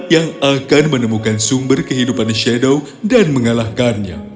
yang akan menemukan sumber kehidupan shadow dan mengalahkannya